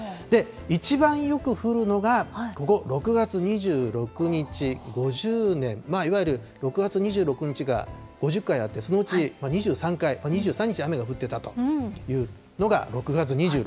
一番よく降るのがここ、６月２６日、５０年、いわゆる６月２６日が５０回あって、そのうち２３回、２３日雨が降ってたというのが６月２６日。